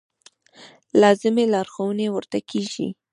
لازمې لارښوونې ورته کېږي.